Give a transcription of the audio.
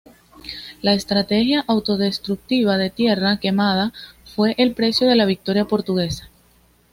La estrategia autodestructiva de tierra quemada fue el precio de la victoria portuguesa.